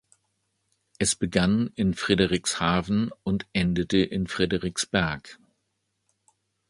Es begann in Frederikshavn und endete in Frederiksberg.